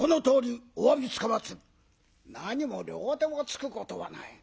「何も両手をつくことはない。